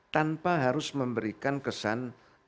tanpa harus memberikan kesan